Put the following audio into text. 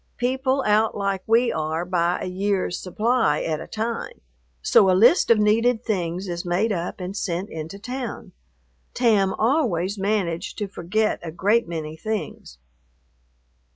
People out like we are buy a year's supply at a time. So a list of needed things is made up and sent into town. Tam always managed to forget a great many things.